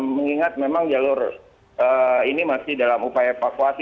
mengingat memang jalur ini masih dalam upaya evakuasi